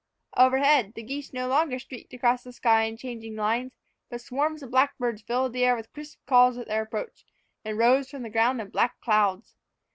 Overhead, the geese no longer streaked the sky in changing lines, but swarms of blackbirds filled the air with crisp calls at their approach, and rose from the ground in black clouds.